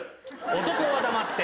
男は黙って。